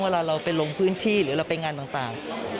เวลาเราไปลงพื้นที่หรือเราไปงานต่าง